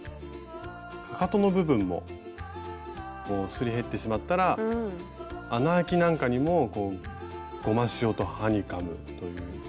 かかとの部分もすり減ってしまったら穴あきなんかにもゴマシオとハニカムという。